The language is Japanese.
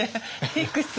いくつも。